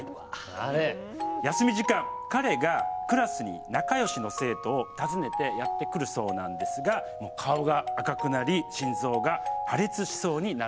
休み時間、彼がクラスに仲よしの生徒を訪ねてやって来るそうなんですがもう顔が赤くなり、心臓が破裂しそうになるそうですという。